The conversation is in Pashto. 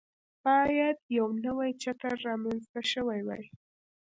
باید یو نوی چتر رامنځته شوی وای.